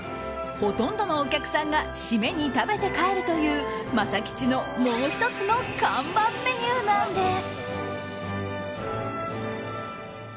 ほとんどのお客さんが締めに食べて帰るというまさ吉のもう１つの看板メニューなんです。